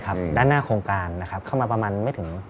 ครับตั้งแต่หลัง๑๑โมงมันต้นไปเริ่มบริการอาหารกลางวันจนถึงลึกเลย